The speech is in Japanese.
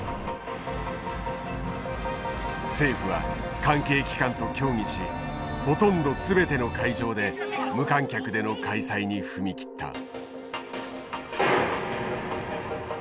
政府は関係機関と協議しほとんど全ての会場で無観客での開催に踏み切った。